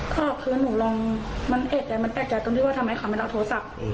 ก็คือหนูลองมันเอกใจมันแปลกใจตรงที่ว่าทำไมเขาไม่รับโทรศัพท์